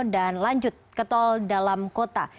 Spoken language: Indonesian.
dan lanjut ke tol dalam kota